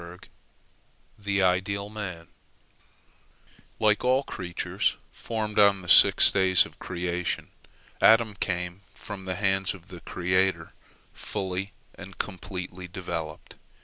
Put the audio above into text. " THE IDEAL MAN Like all creatures formed on the six days of creation, Adam came from the hands of the Creator fully and completely developed.